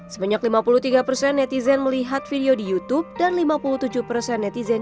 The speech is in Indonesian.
sebanyak lima puluh tiga persen netizen melihat video di youtube dan lima puluh tujuh persen netizen